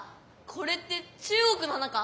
これって中国の花か？